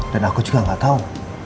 dan aku juga gak tau